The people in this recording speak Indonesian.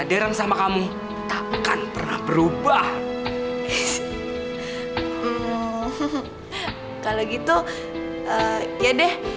berubah yaitu cinta derang sama kamu takkan pernah berubah kalau gitu ya deh